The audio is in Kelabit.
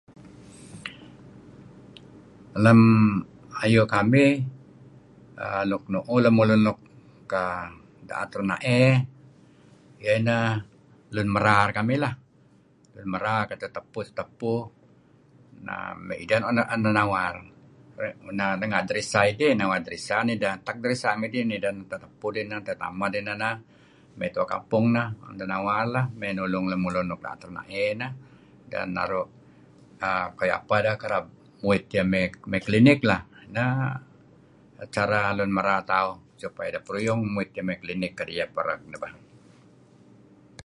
Lem ayu' kamih luk nu'uh lun luk da'et rena'ey , iyeh ineh lun merar kamih, tetepuh,-tetepuh, ideh ineh luk tu'en nawar. Renga' Dresser idih, nawar Dresser. Tak Dresser na'em idih neh nideh nawar tetameh dedih, tetepuh dedih mey Tua Kampung neh mey nulung lun luk da'et ren'ey neh tu'en naru' kayu' apeh ideh kereb muit iyeh mey klinik bah neh cara lun merar tauh supaya ideh kereb peruyung muit iyeh mey klinik kadi' iyeh pereg bah.